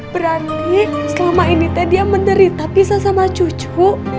berarti selama ini teh dia menderita bisa sama cucu